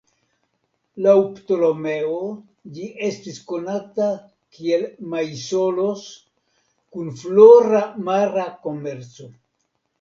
Laŭ Ptolemeo ĝi estis konata kiel Maisolos kun flora mara komerco.